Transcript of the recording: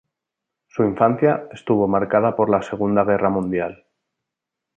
Su infancia estuvo marcada por la Segunda Guerra Mundial.